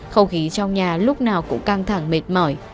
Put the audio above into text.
không khí trong nhà lúc nào cũng căng thẳng mệt mỏi